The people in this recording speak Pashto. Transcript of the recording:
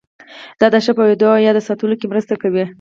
دا د ښه پوهېدو او یاد ساتلو کې مرسته کوي.